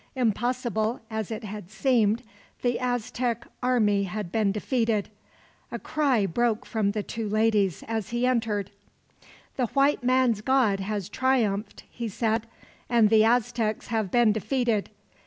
Impossible as it had seemed, the Aztec army had been defeated. A cry broke from the two ladies, as he entered. "The white man's God has triumphed," he said, "and the Aztecs have been defeated.